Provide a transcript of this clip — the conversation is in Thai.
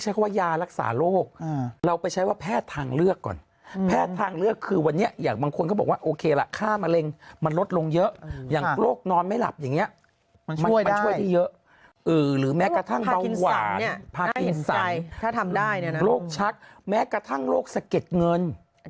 ช่วยที่เยอะหรือแม้กระทั่งเบาหวานพาคินสันโรคชักแม้กระทั่งโรคสะเก็ดเงิน